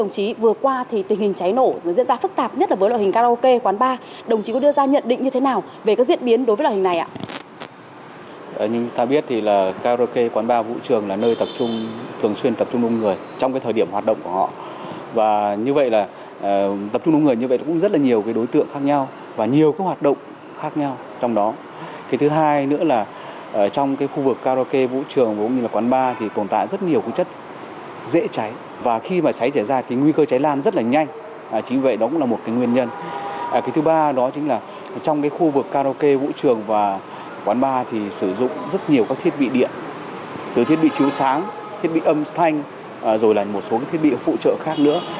cái thứ ba đó chính là trong khu vực karaoke vũ trường và quán bar thì sử dụng rất nhiều thiết bị điện từ thiết bị chiếu sáng thiết bị âm thanh rồi là một số thiết bị phụ trợ khác nữa